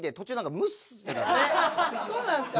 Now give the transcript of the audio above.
そうなんすか？